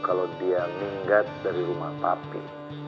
kalau dia minggat dari rumah tapi